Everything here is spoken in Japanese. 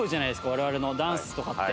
我々のダンスとかって。